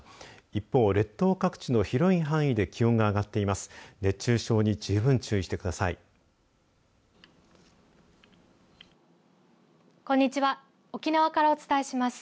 一方、列島各地の広い範囲で気温が上がっています。